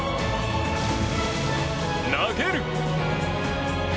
投げる！